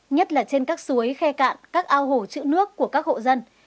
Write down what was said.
nhất là trên các suối khe cạn các ao hồ chữ nước của các hộ dân